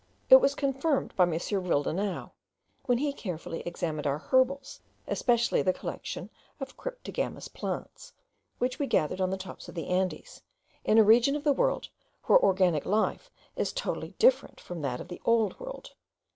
It was confirmed by M. Willdenouw when he carefully examined our herbals, especially the collection of cryptogamous plants, which we gathered on the tops of the Andes, in a region of the world where organic life is totally different from that of the old world.)